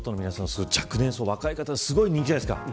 若い方にすごい人気じゃないですか。